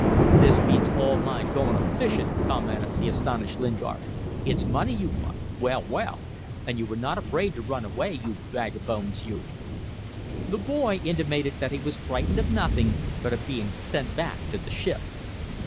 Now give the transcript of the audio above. "This beats all my going a fishing," commented the astonished Lingard. "It's money you want? Well! well! And you were not afraid to run away, you bag of bones, you!" The boy intimated that he was frightened of nothing but of being sent back to the ship.